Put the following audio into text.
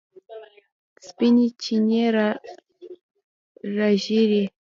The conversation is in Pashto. سپینې چینې رازیږي